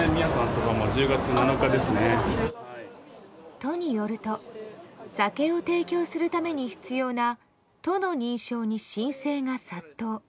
都によると酒を提供するために必要な都の認証に申請が殺到。